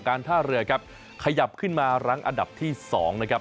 ท่าเรือครับขยับขึ้นมารั้งอันดับที่๒นะครับ